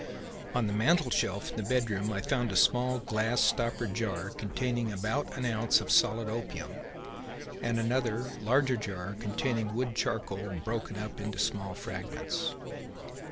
On the mantelshelf in the bedroom I found a small glass stoppered jar containing about an ounce of solid opium, and another, larger jar containing wood charcoal broken up into small fragments.